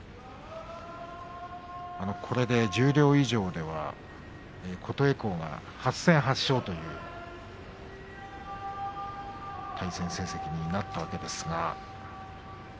これで十両以上では琴恵光が８戦８勝という対戦成績になりました。